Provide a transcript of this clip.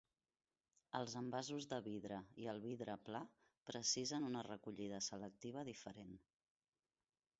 Els envasos de vidre i el vidre pla precisen una recollida selectiva diferent.